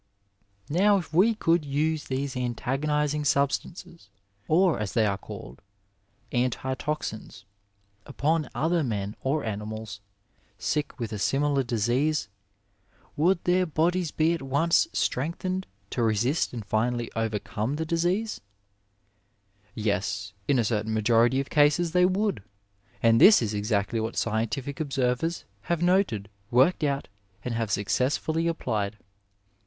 Now if we could use these antagonising substances, or, as they are called, antitoxins, upon other men or animals sick with a similar disease, would their bodies be at once strengthened to resist and finally overcome the disease 1 Tes, in a certain majority of cases they would, and this is exactly what scientific observers have noted, worked out, and have successfully applied.